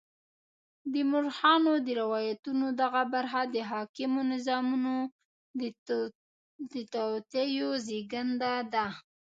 د مورخانو د روایتونو دغه برخه د حاکمو نظامونو د توطیو زېږنده ده.